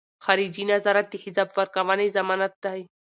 خارجي نظارت د حساب ورکونې ضمانت دی.